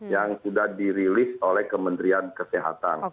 yang sudah dirilis oleh kementerian kesehatan